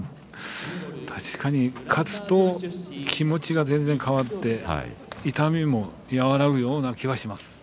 確かに勝つと気持ちが全然変わって痛みも和らぐような気がします。